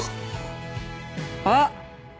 あっ！